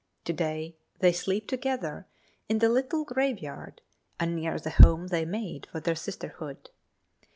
To day they sleep together in the little graveyard and near the home they made for their sisterhood.